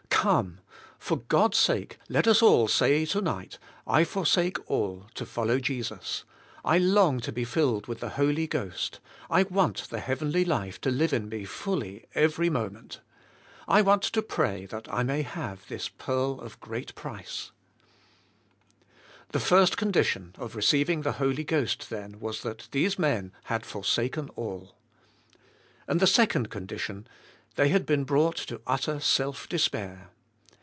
Come! For God's sake let us all say tonight, "I forsake all to follow Jesus. I long to be filled with the Holy Ghost; I want the heavenly life to live in me fully every mo ment. I want to pray that I may have this * pearl of great price.' The first condition of receiving the Holy Ghost, then, was that these men had forsaken all. And the second condition: — They had been brought to utter self desfair.